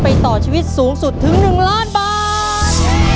ต่อชีวิตสูงสุดถึง๑ล้านบาท